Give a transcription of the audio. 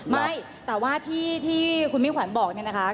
ไม่แต่ว่าที่คุณมิ่งขวัญบอกเนี่ยนะคะ